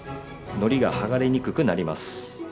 のりがはがれにくくなります。